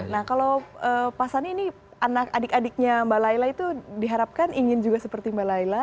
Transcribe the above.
nah kalau pak sani ini anak adik adiknya mbak layla itu diharapkan ingin juga seperti mbak layla